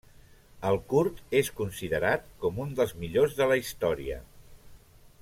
El curt és considerat com un dels millors de la història.